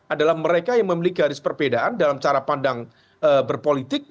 adalah mereka yang memiliki garis perbedaan dalam cara pandang berpolitik